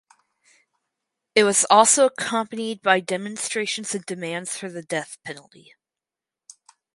It was also accompanied by demonstrations and demands for the death penalty.